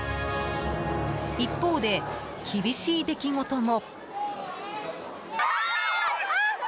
一方で、厳しい出来事も。